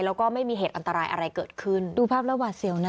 แล้วก็ไม่มีเหตุอันตรายอะไรเกิดขึ้นดูภาพแล้วหวาดเสียวนะ